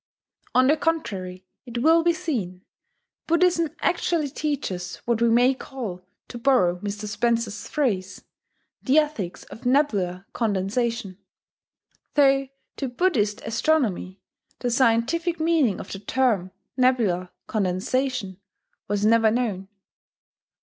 On the contrary, it will be seen, Buddhism actually teaches what we may call, to borrow Mr. Spencer's phrase, "the ethics of nebular condensation," though to Buddhist astronomy, the scientific meaning of the term "nebular condensation" was never known.